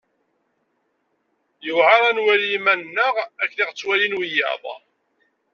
Yuεer ad nwali iman-nneɣ akken i ɣ-ttwalin wiyaḍ.